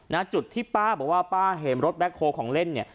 จุดที่ป้าบอกว่าป้าเห็นรถแบ็คโฮลของเล่นเนี่ย